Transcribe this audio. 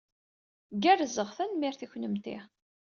Gerrzeɣ, tanemmirt. I kennemti?